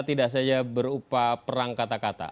tidak saja berupa perang kata kata